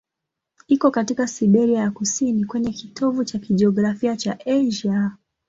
Iko katika Siberia ya kusini, kwenye kitovu cha kijiografia cha Asia.